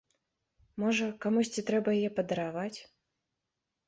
Можа, камусьці трэба яе падараваць.